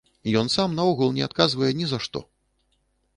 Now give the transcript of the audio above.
Ён сам наогул не адказвае ні за што.